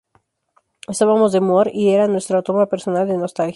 Estábamos de humor y era nuestra toma personal de nostalgia.